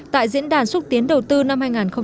tại diễn đàn xuất tiến đầu tư năm hai nghìn một mươi bảy